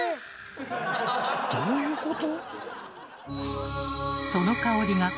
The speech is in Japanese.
どういうこと？